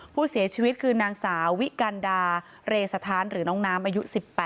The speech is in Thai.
ผู้เสียชีวิตคือนางสาววิกันดาเรสถานหรือน้องน้ำอายุ๑๘